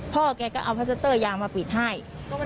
พ่อแกก็เอาพัสเตอร์ยางมาปิดให้